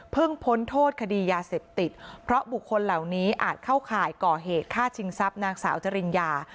พ้นโทษคดียาเสพติดเพราะบุคคลเหล่านี้อาจเข้าข่ายก่อเหตุฆ่าชิงทรัพย์นางสาวจริญญา